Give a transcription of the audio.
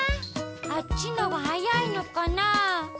あっちのがはやいのかな。